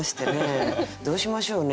どうしましょうね。